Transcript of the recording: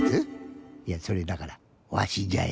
いやそれだからわしじゃよ。